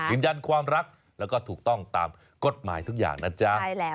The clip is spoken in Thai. ยืนยันความรักแล้วก็ถูกต้องตามกฎหมายทุกอย่างนะจ๊ะ